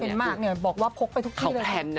เป็นมากบอกว่าพกไปทุกที่เลย